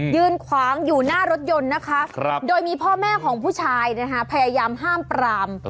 ยืนขวางอยู่หน้ารถยนต์นะคะโดยมีพ่อแม่ของผู้ชายพยายามห้ามปราม